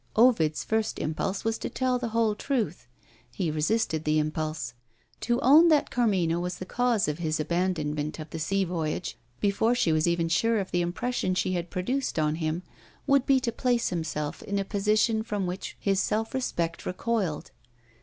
Ovid's first impulse was to tell the whole truth. He resisted the impulse. To own that Carmina was the cause of his abandonment of the sea voyage, before she was even sure of the impression she had produced on him, would be to place himself in a position from which his self respect recoiled.